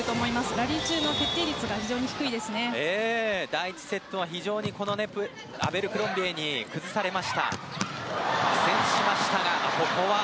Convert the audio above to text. ラリー中の決定率が第１セットは非常にアベルクロンビエに崩されました。